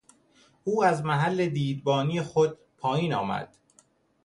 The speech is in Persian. او از محل دیدبانی خود پایین آمد.